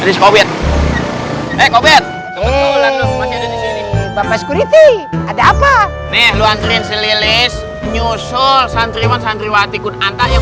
ada di sini ada apa nih luangkrin selilis nyusul santriwan santriwati kunanta yang